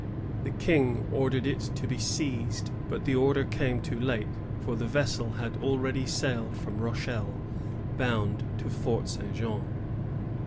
The King ordered it to be seized ; but the order came too late, for the vessel had already sailed from Rochelle bound to Fort St. Jean.